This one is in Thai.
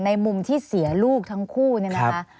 มุมที่เสียลูกทั้งคู่เนี่ยนะคะ